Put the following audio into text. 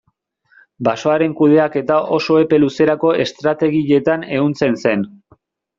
Basoaren kudeaketa oso epe luzerako estrategietan ehuntzen zen.